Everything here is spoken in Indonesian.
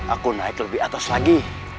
aku naik lebih atas lagi